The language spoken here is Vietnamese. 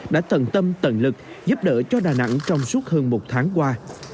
đã tận tâm tận lực giúp đỡ cho đà nẵng trong suốt hơn một tháng qua